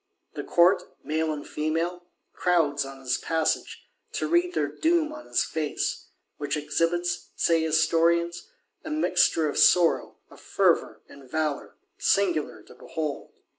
The Court, male and female, crowds on his passage, to read their doom on his face; which exhibits, say Historians, a mixture "of sorrow, of fervour and valour," singular to behold.